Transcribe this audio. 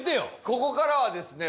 ここからはですね